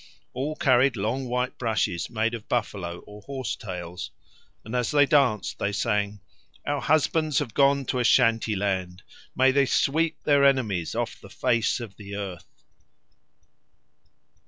All carried long white brushes made of buffalo or horse tails, and as they danced they sang, "Our husbands have gone to Ashanteeland; may they sweep their enemies off the face of the earth!"